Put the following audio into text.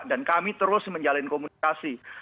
dan kami terus menjalin komunikasi